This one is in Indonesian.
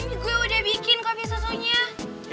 ini gue udah bikin kopi susunya